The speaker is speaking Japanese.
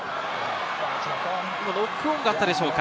今ノックオンがあったでしょうか。